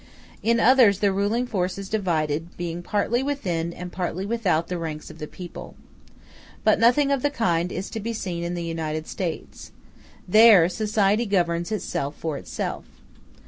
In others the ruling force is divided, being partly within and partly without the ranks of the people. But nothing of the kind is to be seen in the United States; there society governs itself for itself.